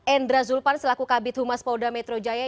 endra zulfan selaku kabit humas pouda metro jaya